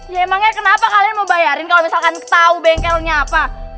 ya emangnya kenapa kalian mau bayarin kalau misalkan tahu bengkelnya apa